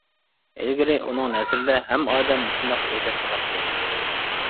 ئىلگىرى ئۇنىڭ نەزىرىدە ھەممە ئادەم مۇشۇنداق ئۆيدە تۇراتتى.